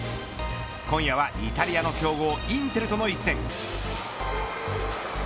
今夜はイタリアの強豪インテルとの一戦。